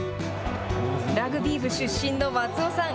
ラグビー部出身の松尾さん。